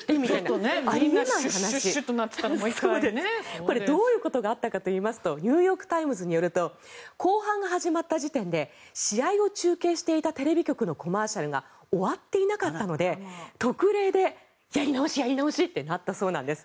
これ、どういうことがあったかといいますとニューヨーク・タイムズによると後半が始まった時点で試合を中継していたテレビ局のコマーシャルが終わっていなかったので特例でやり直し、やり直しってなったそうなんです。